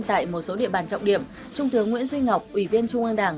tại một số địa bàn trọng điểm trung tướng nguyễn duy ngọc ủy viên trung an đảng